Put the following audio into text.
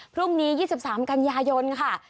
พรุ่งนี้๒๓กันยายนค่ะ